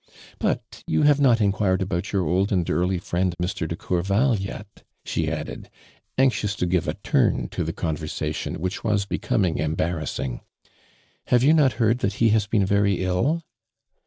But you have not en(|uired about your old and early friend. Mr. de Coui val. yet 1" she adde<l, anxious to give a turn to the conversation which was becoming em barrassing. " Have you not heard that h< has been very ill?"